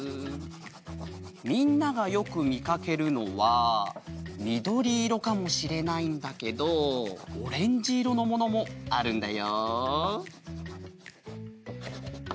みんながよくみかけるのはみどりいろかもしれないんだけどオレンジいろのものもあるんだよ。